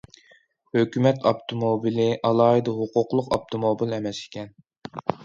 ھۆكۈمەت ئاپتوموبىلى‹‹ ئالاھىدە ھوقۇقلۇق ئاپتوموبىل›› ئەمەس ئىكەن.